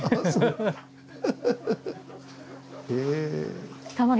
へえ。